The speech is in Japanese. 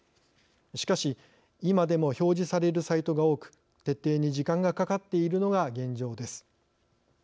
しかし今でも表示されるサイトが多く徹底に時間がかかっているのが現状です。